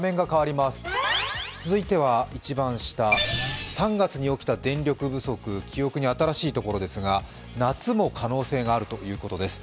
続いては一番下、３月に起きた電力不足、記憶に新しいところですが、夏も可能性があるということです。